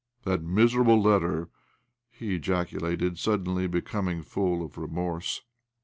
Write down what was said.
" That miserable letter I " he ejaculated, suddenly becoming full of remorse.